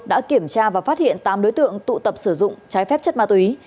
đã kiểm tra và phát hiện tám đối tượng tụ tập sử dụng trái phép chất ma túy